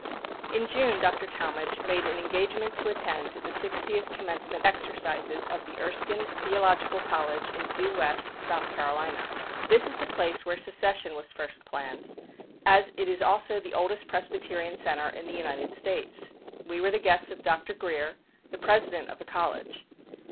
In June, Dr. Talmage made an engagement to attend the 60th commencement exercises of the Erskine Theological College in Due West, South Carolina. This is the place where secession was first planned, as it is also the oldest Presbyterian centre in the United States. We were the guests of Dr. Grier, the president of the college.